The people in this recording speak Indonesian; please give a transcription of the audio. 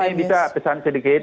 ya kami bisa pesan sedikit